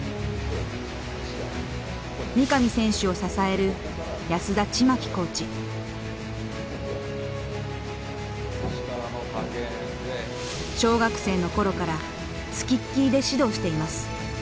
三上選手を支える小学生の頃から付きっきりで指導しています。